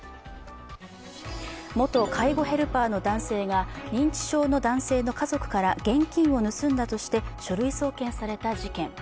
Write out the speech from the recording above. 元介護ヘルパーの男性が認知症の男性の家族から現金を盗んだとして書類送検された事件。